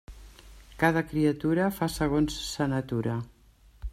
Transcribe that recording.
Cada criatura fa segons sa natura.